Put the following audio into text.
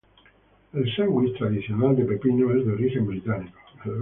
El sándwich tradicional de pepino es de origen británico.